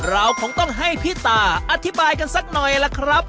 เราคงต้องให้พี่ตาอธิบายกันสักหน่อยล่ะครับ